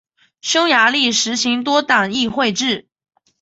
匈牙利实行多党议会制。